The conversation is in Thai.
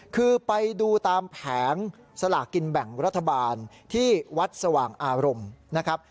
คือไปดูตามแผงสลากกินแบ่งรัฐบาลที่วัดสว่างอารมณ์นะครับ